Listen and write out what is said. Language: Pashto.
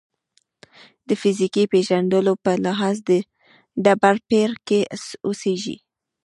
د فیزیکي پېژندلو په لحاظ ډبرپېر کې اوسېږي.